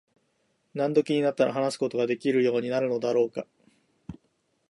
何時になったら話すことができるようになるのだろうか。